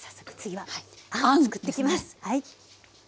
はい。